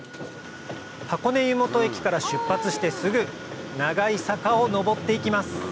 箱根湯本駅から出発してすぐ長い坂を上って行きます